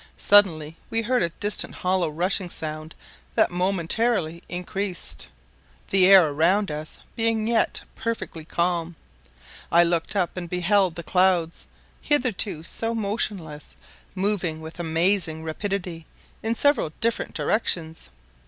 Suddenly we heard a distant hollow rushing sound that momentarily increased, the air around us being yet perfectly calm. I looked up, and beheld the clouds, hitherto so motionless, moving with amazing rapidity in several different directions.